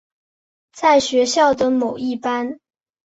在学校的某一班。